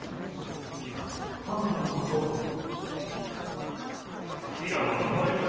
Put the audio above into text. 彼女の祖父は。